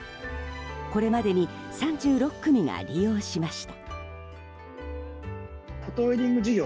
これまでに３６組が利用しました。